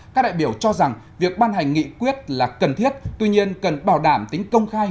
các đại biểu cho rằng việc ban hành nghị quyết là cần thiết tuy nhiên cần bảo đảm tính công khai